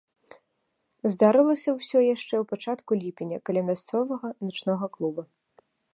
Здарылася ўсё яшчэ ў пачатку ліпеня каля мясцовага начнога клуба.